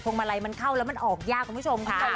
มาลัยมันเข้าแล้วมันออกยากคุณผู้ชมค่ะ